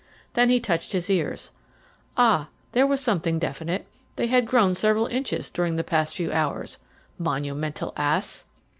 Then he touched his ears. Ah, here was something definite; they had grown several inches during the past few hours. Monumental ass!